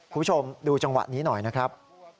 คุณผู้ชมดูจังหวะนี้หน่อยนะครับ